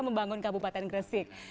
membangun kabupaten gresik